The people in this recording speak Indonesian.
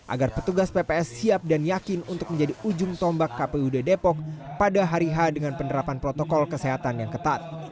agar petugas pps siap dan yakin untuk menjadi ujung tombak kpud depok pada hari h dengan penerapan protokol kesehatan yang ketat